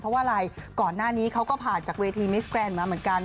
เพราะว่าอะไรก่อนหน้านี้เขาก็ผ่านจากเวทีมิสแกรนด์มาเหมือนกัน